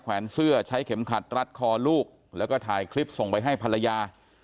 แวนเสื้อใช้เข็มขัดรัดคอลูกแล้วก็ถ่ายคลิปส่งไปให้ภรรยา